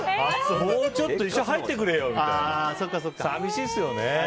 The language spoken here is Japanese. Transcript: もうちょっと一緒に入ってくれよみたいな。